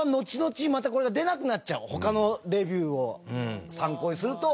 またこれが出なくなっちゃう他のレビューを参考にすると。